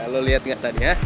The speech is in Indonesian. lo liat gak tadi ya